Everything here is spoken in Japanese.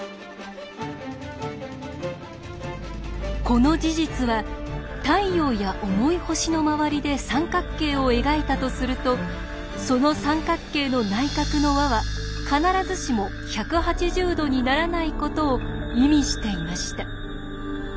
この事実は太陽や重い星の周りで三角形を描いたとするとその三角形の内角の和は必ずしも１８０°にならないことを意味していました。